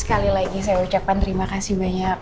sekali lagi saya ucapkan terima kasih banyak